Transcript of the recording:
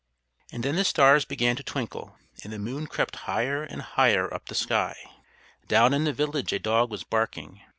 And then the stars began to twinkle, and the moon crept higher and higher up the sky. Down in the village a dog was barking.